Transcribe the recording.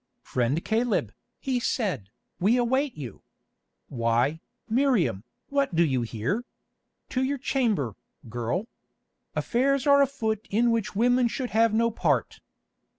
"Friend Caleb," he said, "we await you. Why, Miriam, what do you here? To your chamber, girl. Affairs are afoot in which women should have no part."